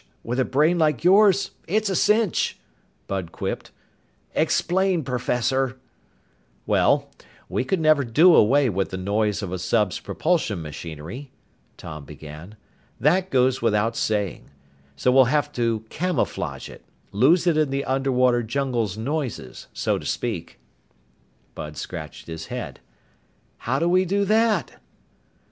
With a brain like yours, it's a cinch," Bud quipped. "Explain, professor." "Well, we can never do away with the noise of a sub's propulsion machinery," Tom began. "That goes without saying. So we'll have to camouflage it lose it in the underwater jungle noises, so to speak." Bud scratched his head. "How do we do that?"